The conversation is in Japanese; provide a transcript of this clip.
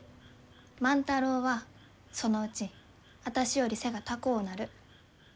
万太郎はそのうちあたしより背が高うなる。